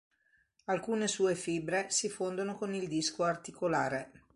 Alcune sue fibre si fondono con il disco articolare.